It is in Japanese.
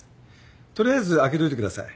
取りあえず空けといてください。